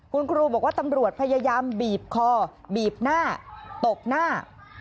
คุณครูบอกว่าตำรวจพยายามบีบคอบีบหน้าตบหน้า